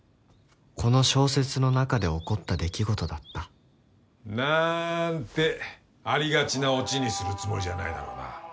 この小説の中で起こった出来事だったなんてありがちなオチにするつもりじゃないだろうな。